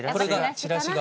チラシが。